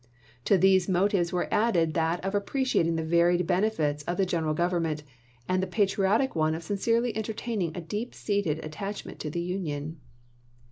To these mo tives were added that of appreciating the varied benefits of the general Government, and the patri otic one of sincerely entertaining a deep seated attachment to the Union.